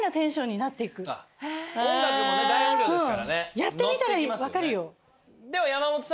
やってみたら分かるよ。